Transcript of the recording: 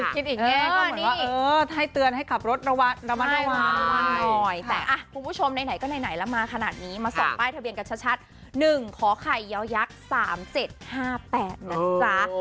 ๓๗๕๘ค่ะให้เตือนให้ขับรถระวังแต่คุณผู้ชมในไหนก็ในไหนแล้วมาขนาดนี้มาส่องใต้ทะเบียนกันชัด๑ขอไข่เยาะยักษ์๓๗๕๘น่ะซ้า